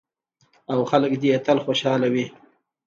او خلک دې یې تل خوشحاله وي.